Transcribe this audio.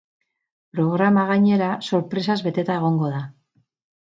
Programa, gainera, sorpresaz beteta egongo da.